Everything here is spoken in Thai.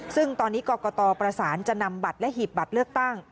ซึ่งตอนนี้กรกตประสานจะนำบัตรและหีบบัตรเลือกตั้ง